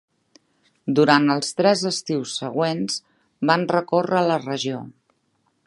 Durant els tres estius següents, van recórrer la regió.